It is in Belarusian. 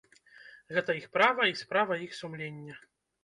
Гэта іх права і справа іх сумлення.